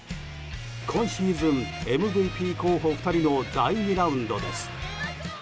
今シーズンＭＶＰ候補２人の第２ラウンドです。